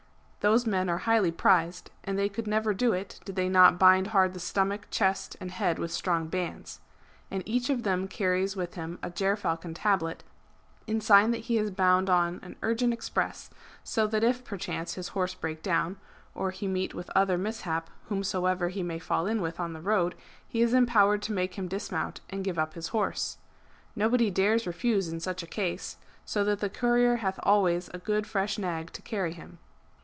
Those men are highly prized ; and they could never do it, did they not bind hard the stomach, chest and head with strong bands. And each of them carries with him a gerfalcon tablet, in sign that he is bound on an urgent express ; so that if perchance his horse break down, or he meet with other mishap, whomsoever he may fall in with on the road, he is empowered to make him dismount and give up his horse. Nobody dares refuse in such a case ; so that the courier hath always a good fresh nag to carry him.'